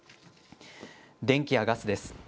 電気やガスです。